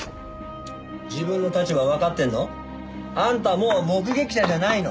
自分の立場わかってんの？あんたもう目撃者じゃないの。